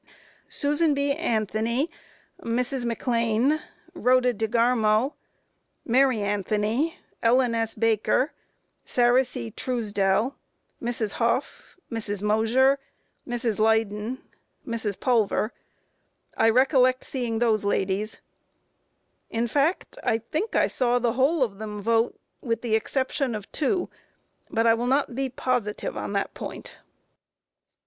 A. Susan B. Anthony, Mrs. McLean, Rhoda DeGarmo, Mary Anthony, Ellen S. Baker, Sarah C. Truesdell, Mrs. Hough, Mrs. Mosher, Mrs. Leyden, Mrs. Pulver. I recollect seeing those ladies; in fact, I think I saw the whole of them vote with the exception of two, but I will not be positive on that point.